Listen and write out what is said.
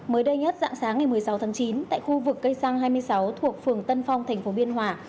mới đây nhất dạng sáng ngày một mươi sáu tháng chín tại khu vực cây sang hai mươi sáu thuộc phường tân phong thành phố biên hòa